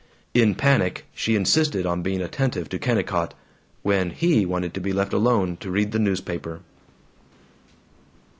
In panic she insisted on being attentive to Kennicott, when he wanted to be left alone to read the newspaper.